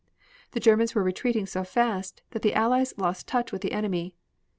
The Germans were retreating so fast that the Allies lost touch with the enemy.